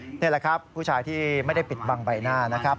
นี่แหละครับผู้ชายที่ไม่ได้ปิดบังใบหน้านะครับ